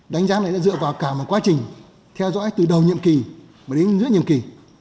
đánh giá này đã dựa vào cả một quá trình theo dõi từ đầu nhiệm kỳ mà đến giữa nhiệm kỳ